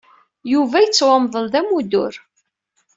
Yuba yettwamḍel d amuddur.